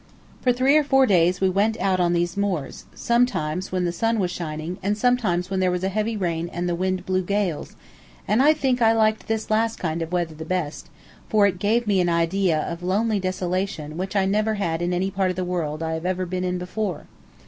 For three or four days we went out on these moors, sometimes when the sun was shining, and sometimes when there was a heavy rain and the wind blew gales, and I think I liked this last kind of weather the best, for it gave me an idea of lonely desolation which I never had in any part of the world I have ever been in before.